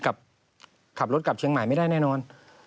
ขับรถกลับเชียงใหม่ไม่ได้แน่นอน